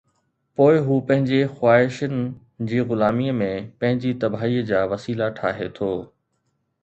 پوءِ هو پنهنجي خواهشن جي غلاميءَ ۾ پنهنجي تباهيءَ جا وسيلا ٺاهي ٿو.